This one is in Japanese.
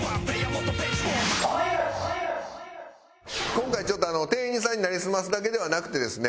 今回ちょっと店員さんになりすますだけではなくてですね